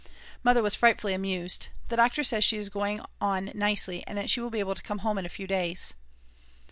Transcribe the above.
Mother was frightfully amused. The doctor says she is going on nicely, and that she will be able to come home in a few days.